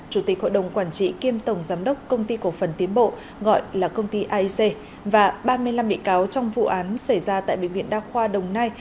chủ tịch hội đồng quản trị kiêm tổng giám đốc công ty cổ phần tiến bộ gọi là công ty aic và ba mươi năm bị cáo trong vụ án xảy ra tại bệnh viện đa khoa đồng nai